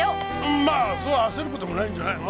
まあそうあせる事もないんじゃないの？